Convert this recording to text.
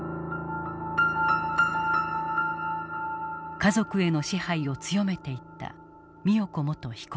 家族への支配を強めていった美代子元被告。